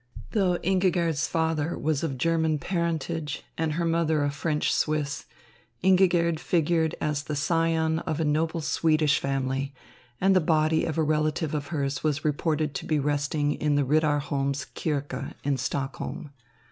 Though Ingigerd's father was of German parentage and her mother a French Swiss, Ingigerd figured as the scion of a noble Swedish family, and the body of a relative of hers was reported to be resting in the Riddarholms Kyrka in Stockholm.